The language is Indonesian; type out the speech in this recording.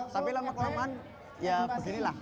sambil lama kelamaan ya beginilah